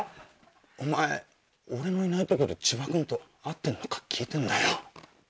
お前俺のいないとこで千葉君と会ってんのか聞いてんだよ。